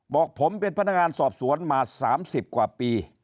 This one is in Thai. บอกผมเป็นพนักงานสอบสวนมา๓๐กว่าปี